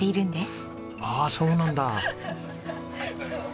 ああそうなんだ。